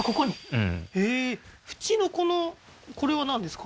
うん縁のこのこれはなんですか？